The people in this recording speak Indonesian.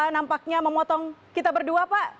nampaknya memotong kita berdua pak